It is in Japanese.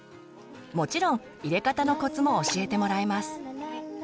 もちろん入れ方のコツも教えてもらえます。